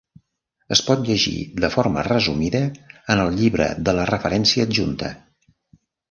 Es pot llegir de forma resumida en el llibre de la referència adjunta.